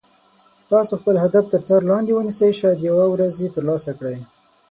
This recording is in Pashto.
تاسو خپل هدف تر څار لاندې ونیسئ شاید یوه ورځ یې تر لاسه کړئ.